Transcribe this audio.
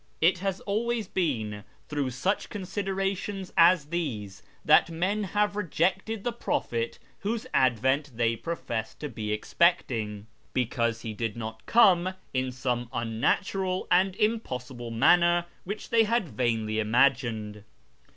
It has always sh/rAz 309 been through such considerations as these that men have rejected the prophet whose advent they professed to be expect ing, because He did not come in some unnatural and impos sible manner which they had vainly imagined.